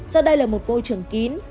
do đây là một vô trường kín